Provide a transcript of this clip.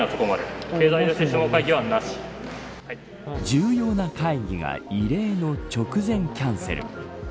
重要な会議が異例の直前キャンセル。